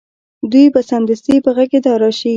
دوی به سمدستي په غږېدا راشي